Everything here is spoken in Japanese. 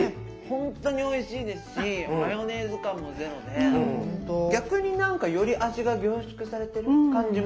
本当においしいですしマヨネーズ感もゼロで逆になんかより味が凝縮されてる感じもしますね。